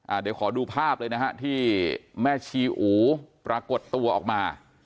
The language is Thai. เดี๋ยวขอดูภาพเลยนะฮะที่แม่ชีอูปรากฏตัวออกมา